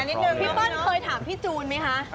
พี่เปิ้ลเคยถามพี่จูนไหมฮะ